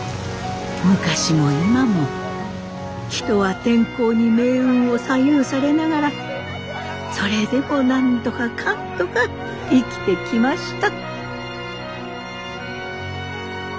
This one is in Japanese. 昔も今も人は天候に命運を左右されながらそれでもなんとかかんとか生きてきました。